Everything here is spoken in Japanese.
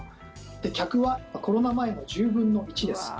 で、客はコロナ前の１０分の１です。